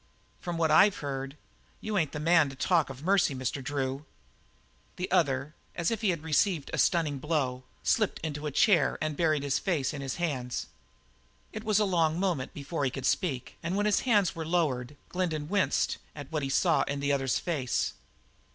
"From what I've heard, you ain't the man to talk of mercy, Mr. Drew." The other, as if he had received a stunning blow, slipped into a chair and buried his face in his hands. It was a long moment before he could speak, and when his hands were lowered, Glendin winced at what he saw in the other's face.